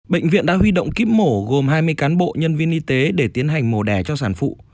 bệnh viện đã huy động kíp mổ gồm hai mươi cán bộ nhân viên y tế để tiến hành mổ đẻ cho sản phụ